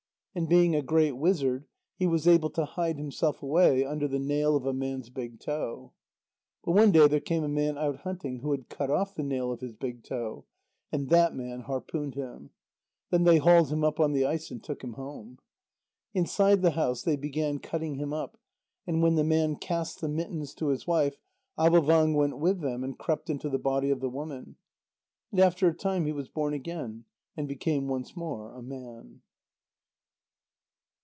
And being a great wizard, he was able to hide himself away under the nail of a man's big toe. But one day there came a man out hunting who had cut off the nail of his big toe. And that man harpooned him. Then they hauled him up on the ice and took him home. Inside the house, they began cutting him up, and when the man cast the mittens to his wife, Avôvang went with them, and crept into the body of the woman. And after a time he was born again, and became once more a man.